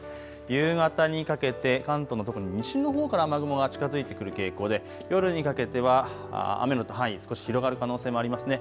夕方にかけて関東の特に西のほうから雨雲が近づいてくる傾向で夜にかけては雨の範囲、少し広がる可能性もありますね。